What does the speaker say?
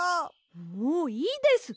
もういいです！